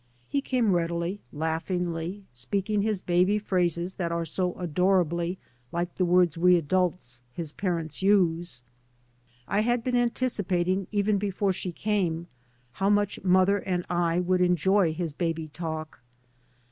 He came readily, laughingly, speaking his baby phrases that are so adorably like the words we adults, his parents, use. I had been anticipating even before she came, how much mother and I would enjoy his baby talk.